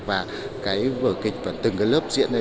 và cái vờ kịch và từng lớp diễn này